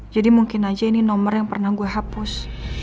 jadi mungkin aja ini nomor yang pernah gue hapus